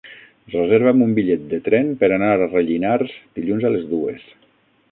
Reserva'm un bitllet de tren per anar a Rellinars dilluns a les dues.